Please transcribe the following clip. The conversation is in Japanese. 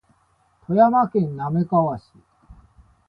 富山県滑川市